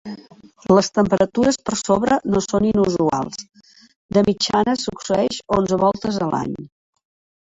Les temperatures per sobre no són inusuals; de mitjana succeeix onze voltes a l'any.